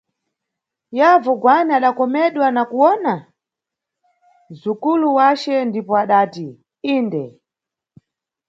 Yavu Gwani adakomedwa na kuwona m?zukulu wace ndipo adati: Inde.